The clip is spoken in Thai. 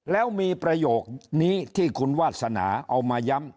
แล้วมีประโยคนี้ที่คุณวาสนาเอามาย้ำ